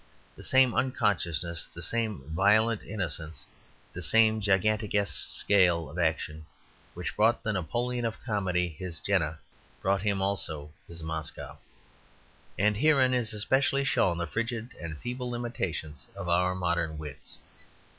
The same unconsciousness, the same violent innocence, the same gigantesque scale of action which brought the Napoleon of Comedy his Jena brought him also his Moscow. And herein is especially shown the frigid and feeble limitations of our modern wits.